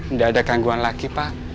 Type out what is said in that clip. nggak ada gangguan lagi pak